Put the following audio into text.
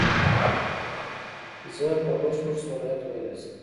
زه په بشپړ صلاحیت ویلای شم.